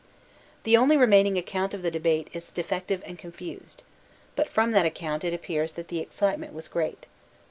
The only remaining account of the debate is defective and confused. But from that account it appears that the excitement was great.